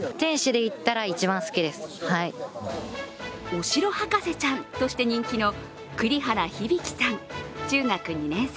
お城博士ちゃんとして人気の栗原響大さん、中学２年生。